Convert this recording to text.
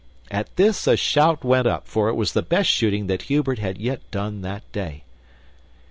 At this a shout went up, for it was the best shooting that Hubert had yet done that day.